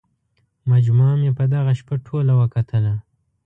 مجموعه مې په دغه شپه ټوله وکتله.